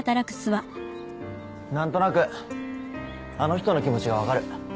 何となくあの人の気持ちが分かる